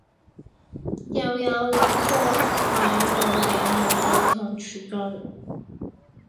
又有諗過買露營爐頭同廚具